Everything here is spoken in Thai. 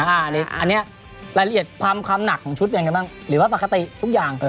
อันนี้รายละเอียดความหนักของชุดยังไงบ้างหรือว่าปกติทุกอย่าง